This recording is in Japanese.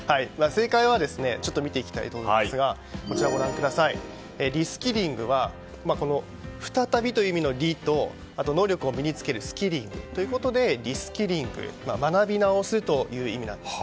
正解を見ていきたいと思うんですがリスキリングは再びという意味のリと能力を身に着けるスキリングということでリスキリング、学び直すという意味なんです。